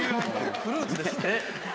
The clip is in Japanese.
フルーツですって。